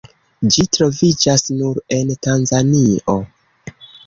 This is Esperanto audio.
Ĝi troviĝas nur en Tanzanio.